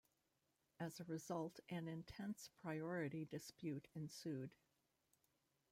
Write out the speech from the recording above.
As a result, an intense priority dispute ensued.